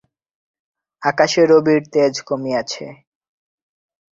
আকাশে রবির তেজ কমিয়াছে।